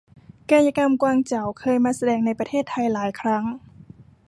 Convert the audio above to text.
กายกรรมกวางเจา เคยมาแสดงในประเทศไทยหลายครั้ง